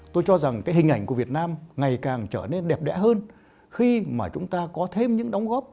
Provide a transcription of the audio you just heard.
tôi cho rằng cái hình ảnh của việt nam ngày càng trở nên đẹp đẽ hơn khi mà chúng ta có thêm những đóng góp